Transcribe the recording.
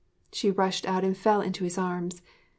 She rushed out and fell into his arms.